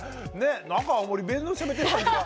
なんか青森弁のしゃべってる感じが。